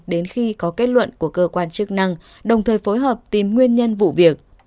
đến khi có kết luận của cơ quan chức năng đồng thời phối hợp tìm nguyên nhân vụ việc